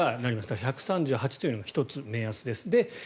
１３８というのが１つ目安です。